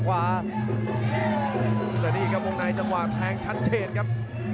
พาท่านผู้ชมกลับติดตามความมันกันต่อครับ